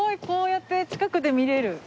こうやって近くで見れる。